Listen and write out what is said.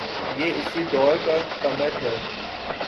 یہ اسی دور کا ثمر ہے۔